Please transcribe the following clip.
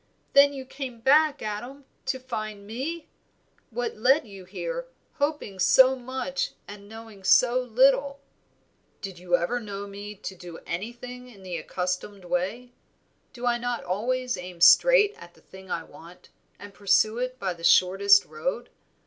Then you came back, Adam, to find me? What led you here, hoping so much and knowing so little?" "Did you ever know me do anything in the accustomed way? Do I not always aim straight at the thing I want and pursue it by the shortest road?